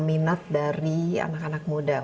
minat dari anak anak muda